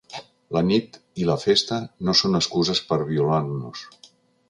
La nit, i la festa, no són excuses per violar-nos.